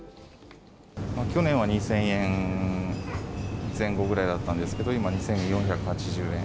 去年は２０００円前後ぐらいだったんですけど、今、２４８０円。